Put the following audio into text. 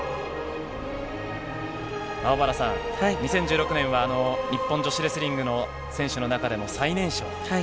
小原さん、２０１６年は日本女子レスリングの選手の中でも最年少。